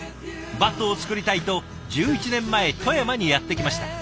バットを作りたいと１１年前富山にやって来ました。